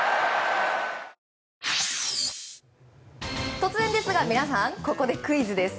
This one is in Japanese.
突然ですが皆さん、ここでクイズです。